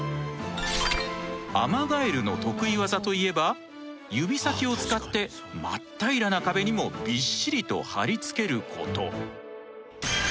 アマガエルの得意技といえば指先を使って真っ平らな壁にもビッシリと貼り付けること。